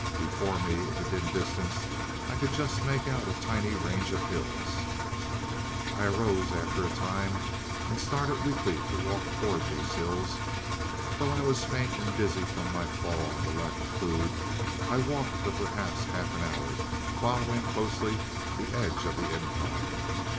Before me, in the dim distance, I could just make out a tiny range of hills. "I rose, after a time, and started weakly to walk towards these hills. Though I was faint and dizzy from my fall and the lack of food, I walked for perhaps half an hour, following closely the edge of the incline.